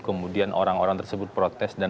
kemudian orang orang tersebut protes dan